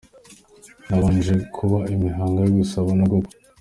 Habanje kuba imihango yo gusaba no gukwa.